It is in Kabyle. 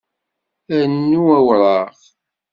Rnu awṛaɣ